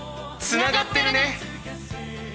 つながってるね！